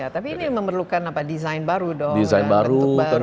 tapi ini memerlukan apa desain baru dong